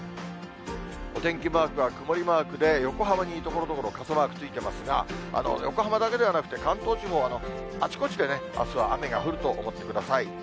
お天気マークは曇りマークで、横浜にところどころ傘マークついてますが、横浜だけではなくて、関東地方、あちこちであすは雨が降ると思ってください。